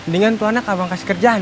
dengan tuhan akabat kasih kerjaan